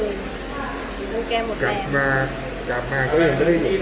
เพราะว่าห้ายตายแค่กำลังครองฝั่ง